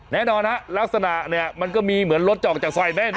แน่นอนฮะลักษณะเนี่ยมันก็มีเหมือนรถจะออกจากซอยแม่น